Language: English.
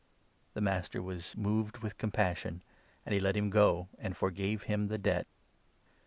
The 27 master was moved with compassion ; and he let him go, and forgave him the debt.